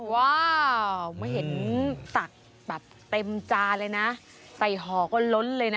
ว้าวเมื่อเห็นตักแบบเต็มจานเลยนะใส่ห่อก็ล้นเลยนะ